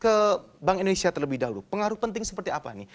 ke bank indonesia terlebih dahulu pengaruh penting seperti apa nih